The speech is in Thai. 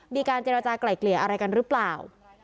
มีการเจรจากลายเกลี่ยอะไรกันหรือเปล่า